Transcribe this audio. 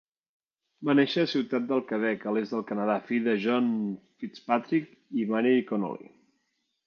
Va néixer a Ciutat del Quebec, a l'est del Canadà, fill de John Fitzpatrick i Mary Connolly.